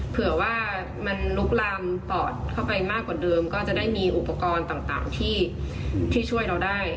เผื่อว่ามันลุกลามปอดเข้าไปมากกว่าเดิมก็จะได้มีอุปกรณ์ต่างที่ช่วยเราได้